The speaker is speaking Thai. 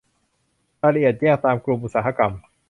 รายละเอียดแยกตามกลุ่มอุตสาหกรรม